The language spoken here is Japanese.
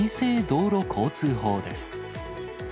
道路交通法です。